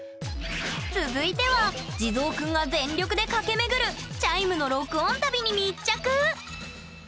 続いては地蔵くんが全力で駆け巡るチャイムの録音旅に密着！